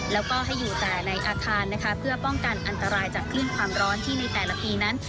แล้วก็ให้อยู่แต่ในอาคารนะคะเพื่อป้องกันอันตรายจากคลื่นความร้อนที่ในแต่ละปีนั้น